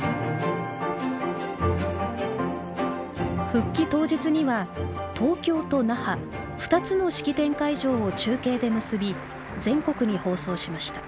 復帰当日には東京と那覇２つの式典会場を中継で結び全国に放送しました。